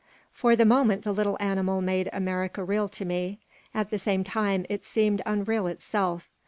For the moment the little animal made America real to me. At the same time it seemed unreal itself.